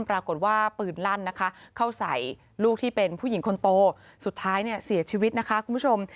ปรากฏว่าปืนลั่นนะคะเข้าใส่ลูกที่เป็นผู้หญิงคนโตสุดท้ายเนี่ยเสียชีวิตนะคะคุณผู้ชม